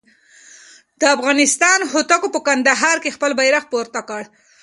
د افغانستان هوتکو په کندهار کې خپل بیرغ پورته کړ.